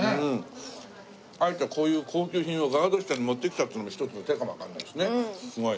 あえてこういう高級品をガード下に持ってきたっていうのが一つの手かもわからないですね。